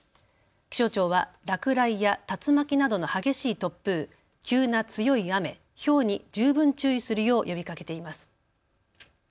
気象庁は落雷や竜巻などの激しい突風、急な強い雨、ひょうに十分注意するよう呼びかけています。